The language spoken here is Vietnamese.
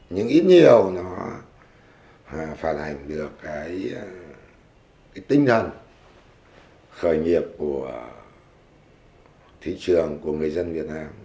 nhưng ít nhiều nó phản hành được cái tinh thần khởi nghiệp của thị trường của người dân việt nam